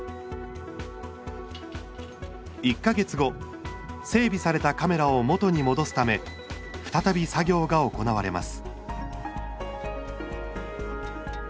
１か月後、整備されたカメラをもとに戻すため再び作業が行われます。